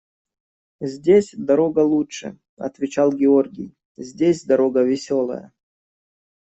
– Здесь дорога лучше, – отвечал Георгий, – здесь дорога веселая.